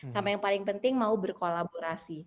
sama yang paling penting mau berkolaborasi